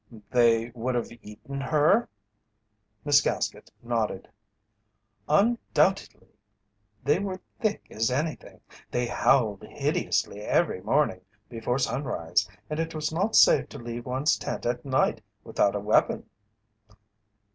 "They would have eaten her?" Miss Gaskett nodded. "Undoubteely. They were thick as anything. They howled hideously every morning before sunrise, and it was not safe to leave one's tent at night without a weapon."